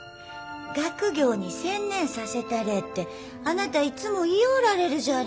学業に専念させたれえってあなたいつも言ようられるじゃありませんか。